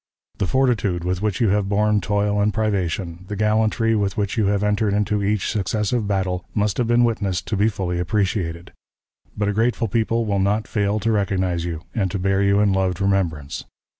The fortitude with which you have borne toil and privation, the gallantry with which you have entered into each successive battle, must have been witnessed to be fully appreciated; but a grateful people will not fail to recognize you, and to bear you in loved remembrance.